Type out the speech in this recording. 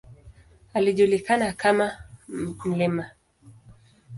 Alijulikana kama ""Mt.